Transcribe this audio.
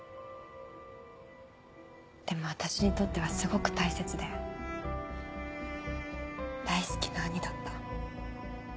でも私にとってはすごく大切で大好きな兄だった。